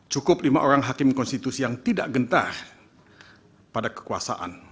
cukup lima orang hakim konstitusi yang tidak gentar pada kekuasaan